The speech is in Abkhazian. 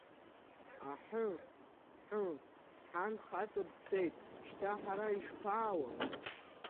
Аҳы-ҳы, ҳан хаҵа дцеит, шьҭа ҳара ишԥаауа!